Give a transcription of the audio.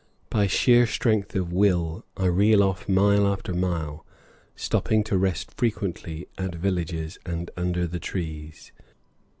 By sheer strength of will I reel off mile after mile, stopping to rest frequently at villages and under the trees.